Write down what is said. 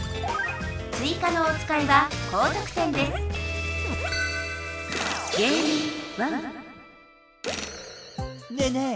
追加のおつかいは高得点ですねえねえ